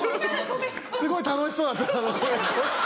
すごい楽しそうだった。